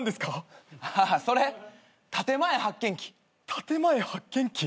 建前発見器。